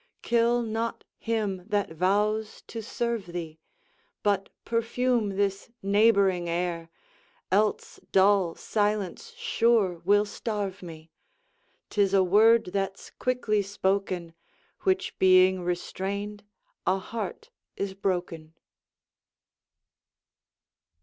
Kill not him that vows to serve thee; But perfume this neighboring air, Else dull silence, sure, will starve me: 'Tis a word that's quickly spoken, Which being restrained, a heart is broken.